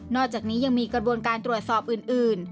อกจากนี้ยังมีกระบวนการตรวจสอบอื่น